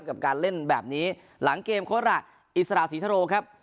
กับการเล่นแบบนี้หลังเกมโค้ดระอิสระศรีทโรครับ